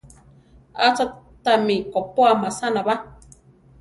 Acha tami kopóa masana ba?